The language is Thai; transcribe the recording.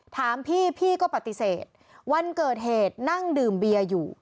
ถามพี่พี่ก็ปฏิเสธวันเกิดเหตุนั่งดื่มเบียร์อยู่